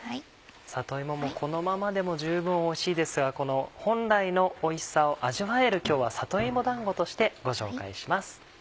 里芋もこのままでも十分おいしいですがこの本来のおいしさを味わえる今日は里芋だんごとしてご紹介します。